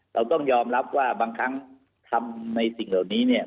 เราต้องยอมรับว่าบางครั้งทำในสิ่งเหล่านี้เนี่ย